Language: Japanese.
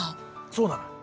そうなのよ。